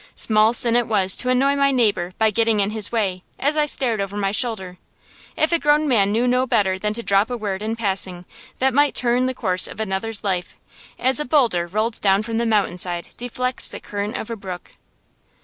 Small sin it was to annoy my neighbor by getting in his way, as I stared over my shoulder, if a grown man knew no better than to drop a word in passing that might turn the course of another's life, as a boulder rolled down from the mountain side deflects the current of a brook.